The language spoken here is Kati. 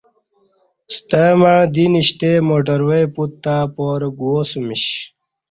ستہ مع دی نیشتہ موٹرے پوت تہ پارہ گوا سمیش